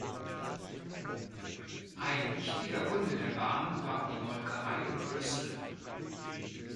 Ein wichtiger Kunde der Bahn war die Molkerei in Bristol.